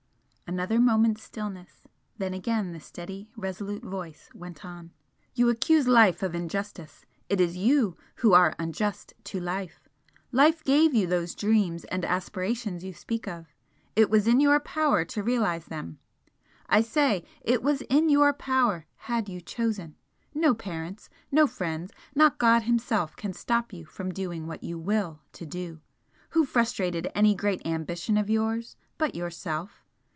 Another moment's stillness then again the steady, resolute voice went on. "You accuse life of injustice, it is you who are unjust to life! Life gave you those dreams and aspirations you speak of, it was in your power to realise them! I say it was in your power, had you chosen! No parents, no friends, not God Himself, can stop you from doing what you WILL to do! Who frustrated any great ambition of yours but yourself?